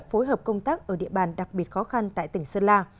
phối hợp công tác ở địa bàn đặc biệt khó khăn tại tỉnh sơn la